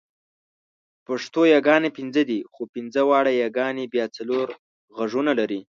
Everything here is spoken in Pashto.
پښتو یاګانې پنځه دي، خو پنځه واړه یاګانې بیا څلور غږونه لري.